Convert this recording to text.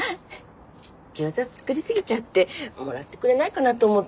餃子作り過ぎちゃってもらってくれないかなと思って。